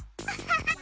ハハハ